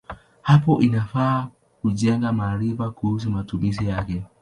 Hapo inafaa kujenga maarifa kuhusu matumizi yake.